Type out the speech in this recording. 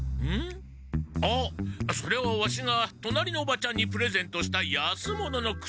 あっそれはワシが隣のおばちゃんにプレゼントした安物のクシ。